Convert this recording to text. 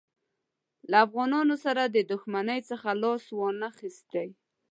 له افغانانو سره د دښمنۍ څخه لاس نه وو اخیستی.